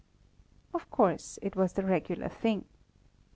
Of course, it was the regular thing.